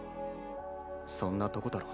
そんなとこだろ？